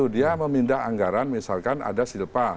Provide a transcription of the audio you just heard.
dia memindah anggaran misalkan ada silpa